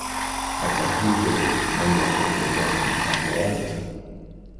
Hata hivyo Mungu akaendelea na mpango wake.